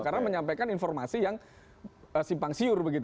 karena menyampaikan informasi yang simpang siur begitu ya